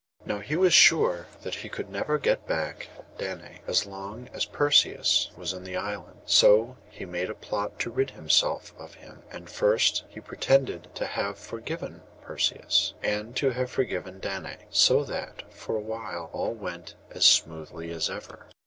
Now he was sure that he could never get back Danae as long as Perseus was in the island; so he made a plot to rid himself of him. And first he pretended to have forgiven Perseus, and to have forgotten Danae; so that, for a while, all went as smoothly as ever.